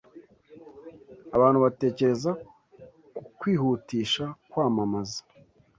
Abantu batekereza ku kwihutisha kwamamaza